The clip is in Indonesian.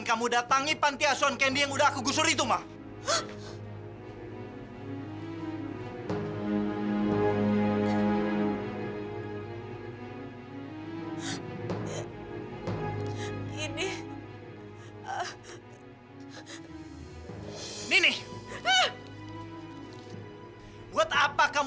sampai jumpa di video selanjutnya